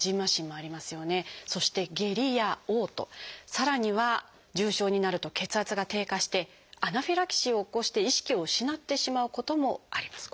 さらには重症になると血圧が低下してアナフィラキシーを起こして意識を失ってしまうこともあります。